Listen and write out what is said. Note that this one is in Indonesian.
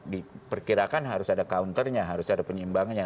diperkirakan harus ada counternya harus ada penyimbangannya